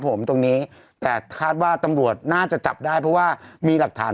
ผมตรงนี้แต่คาดว่าตำรวจน่าจะจับได้เพราะว่ามีหลักฐาน